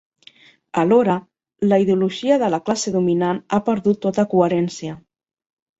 Alhora, la ideologia de la classe dominant ha perdut tota coherència.